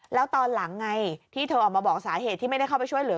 แล้วตอนหลังไงที่เธอออกมาบอกสาเหตุที่ไม่ได้เข้าไปช่วยเหลือ